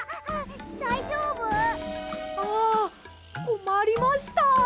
あこまりました。